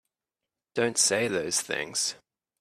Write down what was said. Don't say those things!